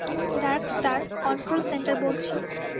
Darkstar, control centre বলছি।